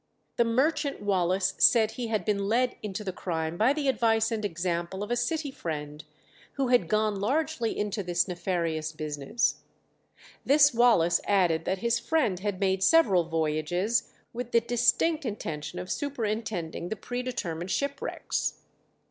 The merchant Wallace said he had been led into the crime by the advice and example of a city friend who had gone largely into this nefarious business; this Wallace added that his friend had made several voyages with the distinct intention of superintending the predetermined shipwrecks.